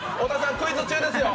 クイズ中ですよ！